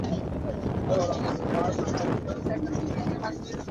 অপুকে অবশেষে জল-ভরা চোখে বাবার পিছনে পিছনে অগ্রসর হইতে হইল।